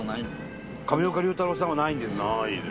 上岡龍太郎さんはないですね。